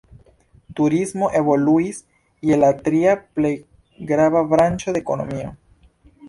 Turismo evoluis je la tria plej grava branĉo de ekonomio.